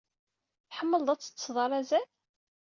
Tḥemmleḍ ad teṭṭseḍ ar azal?